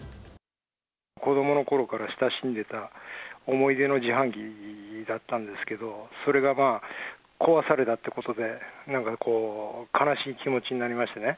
子どものころから親しんでた、思い出の自販機だったんですけど、それが壊されたってことで、なんかこう、悲しい気持ちになりましてね。